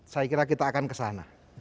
saya kira kita akan kesana